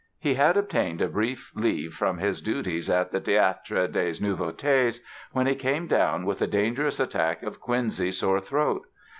He had obtained a brief leave from his duties at the Théâtre des Nouveautés when he came down with a dangerous attack of quinsy sore throat.